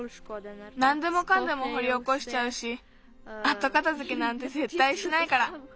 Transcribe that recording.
なんでもかんでもほりおこしちゃうしあとかたづけなんてぜったいしないから。